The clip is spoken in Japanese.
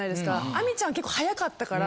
亜美ちゃん結構速かったから。